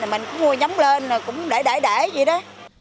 mình cũng mua nhóm lên cũng để để để vậy đó